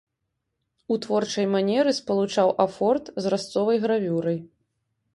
У творчай манеры спалучаў афорт з разцовай гравюрай.